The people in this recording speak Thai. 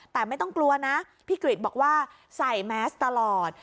แต่ไม่ต้องกลัวนะพี่กริจบอกว่าใส่แมสตลอด